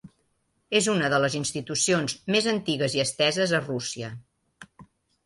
És una de les institucions més antigues i esteses a Rússia.